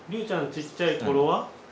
ちっちゃい頃は？